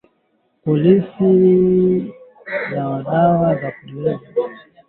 Matumizi ya dawa za kuulia wadudu hukabiliana na ugonjwa wa ukurutu